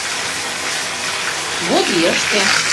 — Вот и ыште!